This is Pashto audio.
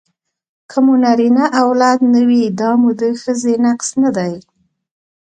که مو نرینه اولاد نه وي دا مو د ښځې نقص نه دی